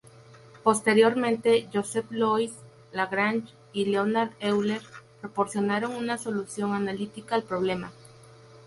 Posteriormente, Joseph Louis Lagrange y Leonhard Euler proporcionaron una solución analítica al problema.